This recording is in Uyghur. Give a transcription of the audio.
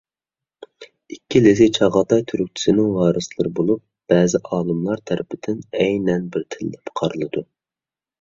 ئىككىلىسى چاغاتاي تۈركچىسىنىڭ ۋارىسلىرى بولۇپ، بەزى ئالىملار تەرىپىدىن ئەينەن بىر تىل دەپ قارىلىدۇ.